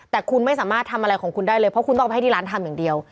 แต่คุณไม่สามารถทำอะไรของคุณได้เลยเพราะคุณต้องไปให้ที่ร้านทำอย่างเดียว